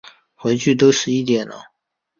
回去都十一点了